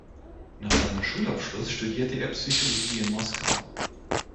Nach seinem Schulabschluss studierte er Psychologie in Moskau.